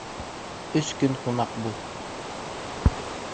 Өс көн ҡунаҡ бул